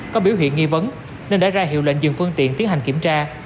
có biểu hiện nghi vấn nên đã ra hiệu lệnh dừng phương tiện tiến hành kiểm tra